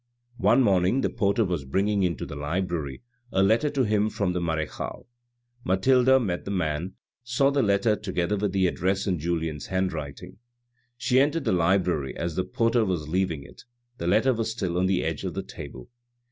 One morning the porter was bringing into the library a letter to him from the marechale. Mathilde met the man, saw the letter together with the address in Julien's handwriting. She entered the library as the porter was leaving it, the letter was still on the edge of the table.